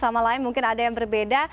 sama lain mungkin ada yang berbeda